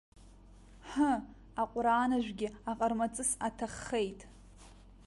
Ҳы, аҟәрааныжәгьы аҟармаҵыс аҭаххеит!